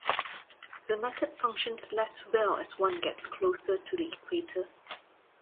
The method functions less well as one gets closer to the equator.